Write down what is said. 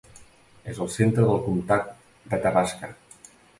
És el centre del comtat d'Athabasca.